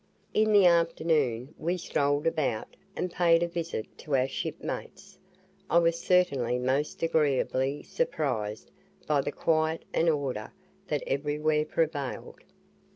In the afternoon we strolled about, and paid a visit to our shipmates. I was certainly most agreeably surprised by the quiet and order that everywhere prevailed.